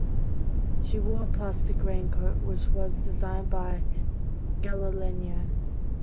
She wore a plastic raincoat, which was designed by Galliano.